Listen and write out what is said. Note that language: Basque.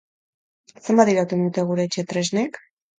Zenbat irauten dute gure etxe tresnek?